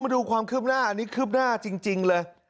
มาดูความคืบหน้าอันนี้คืบหน้าจริงเลย